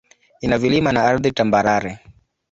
Ina vilima na ardhi tambarare.